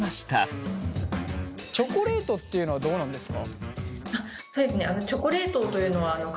チョコレートっていうのはどうなんですか？